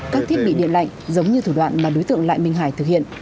các thiết bị điện lạnh giống như thủ đoạn mà đối tượng lại minh hải thực hiện